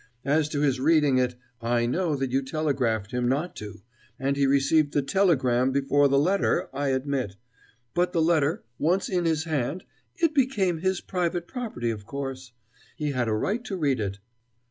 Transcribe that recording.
As to his reading it, I know that you telegraphed him not to, and he received the telegram before the letter, I admit; but, the letter once in his hand, it became his private property, of course. He had a right to read it."